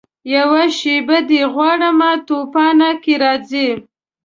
یوه شېبه دي غواړمه توپانه که راځې